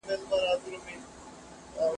په کورنۍ زده کړه کې مینه نه کمېږي.